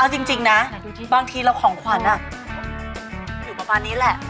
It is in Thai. เอาจริงนะบางทีเราของขวัญอยู่ประมาณนี้แหละ